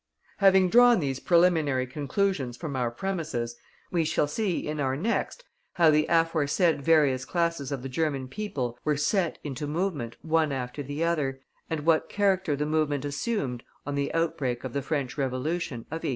Having drawn these preliminary conclusions from our premises, we shall see, in our next, how the aforesaid various classes of the German people were set into movement one after the other, and what character the movement assumed on the outbreak of the French Revolution of 1848.